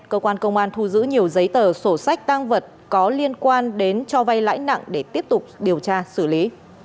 cơ quan công an thu giữ nhiều giấy tờ sổ sách tăng vật có liên quan đến cho vay lãi nặng để tiếp tục điều tra xử lý